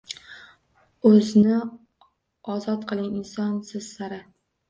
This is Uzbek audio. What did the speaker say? O’zni ozod qiling – insonsiz sara